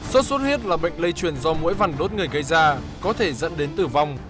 sốt xuất huyết là bệnh lây truyền do mũi vằn đốt người gây ra có thể dẫn đến tử vong